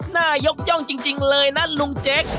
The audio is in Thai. น่ายกย่องจริงเลยนะลุงเจ๊ก